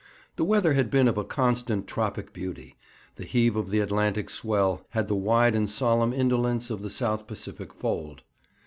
The weather had been of a constant tropic beauty. The heave of the Atlantic swell had the wide and solemn indolence of the South Pacific fold.